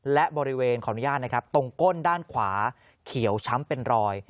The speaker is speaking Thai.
และบริเวณของรุญญาณตรงก้นด้านขวาเขียวช้ำเป็นรอย